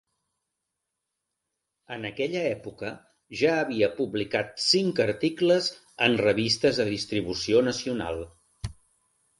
En aquella època ja havia publicat cinc articles en revistes de distribució nacional.